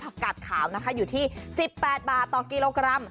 กาดขาวนะคะอยู่ที่๑๘บาทต่อกิโลกรัม